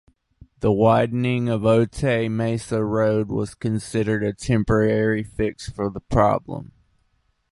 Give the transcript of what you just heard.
The widening of Otay Mesa Road was considered a temporary fix for the problem.